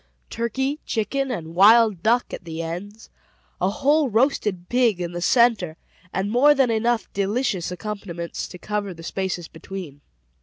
Turkey, chicken, and wild duck, at the ends; a whole roasted pig in the centre, and more than enough delicious accompaniments to cover the spaces between.